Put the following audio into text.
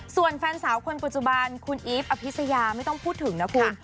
ส่วนแฟนสาวคนปัจจุบันคุณอีฟอภิษยาไม่ต้องพูดถึงนะคุณ